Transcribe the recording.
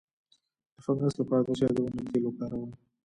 د فنګس لپاره د چای د ونې تېل وکاروئ